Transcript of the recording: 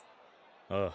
ああ。